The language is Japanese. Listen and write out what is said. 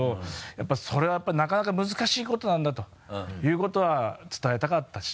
やっぱそれはなかなか難しいことなんだということは伝えたかったし。